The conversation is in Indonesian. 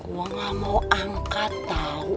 mau gak mau angkat tau